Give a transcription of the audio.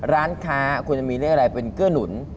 ร้านค้าควรจะมีเลขอะไรเป็นเกื้อหนุน